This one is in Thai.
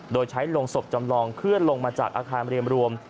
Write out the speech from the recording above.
โดยใช้ลงศพจำลองเคลื่อนลงมาจากอาคารเรียนรวม